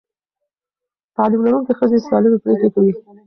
تعلیم لرونکې ښځې سالمې پرېکړې کوي.